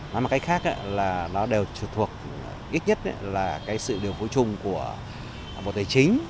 nói một cách khác là nó đều thuộc ít nhất là sự điều phối chung của bộ tài chính